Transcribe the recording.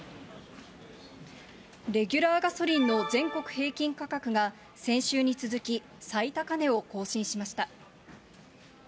レギュラーガソリンの全国平均価格が、先週に続き最高値を更新しました。